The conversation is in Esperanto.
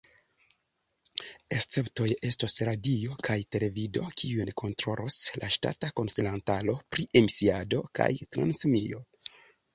Esceptoj estos radio kaj televido, kiujn kontrolos la ŝtata Konsilantaro pri Emisiado kaj Transmisio.